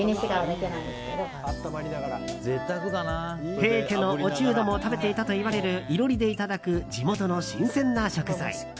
平家の落人も食べていたといわれる囲炉裏でいただく地元の新鮮な食材。